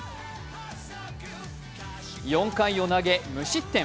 ４回を投げ、無失点。